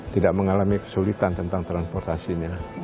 tidak mengalami kesulitan tentang transportasinya